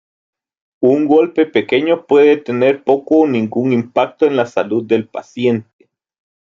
Un golpe pequeño puede tener poco o ningún impacto en la salud del paciente.